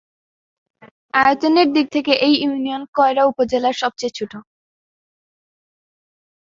আয়তনের দিক থেকে এই ইউনিয়ন কয়রা উপজেলার সবচেয়ে ছোট।